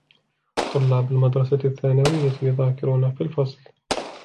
طلاب المدرسة الثانوية يذاكرون في الفصل.